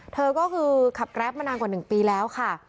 เธอก็คือขับแกรปมานานกว่า๑ปีแล้วค่ะ